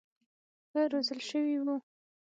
ښه روزل شوي وو.